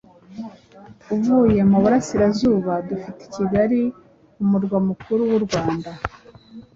Uvuye mu Burasirazuba, dufite Kigali, umurwa mukuru w’u Rwanda,